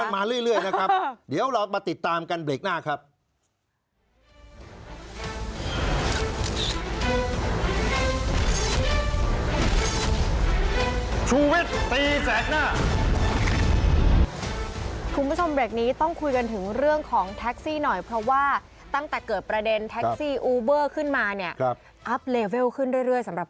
มันอัพเลเวลขึ้นเรื่อยนะครับนะครับ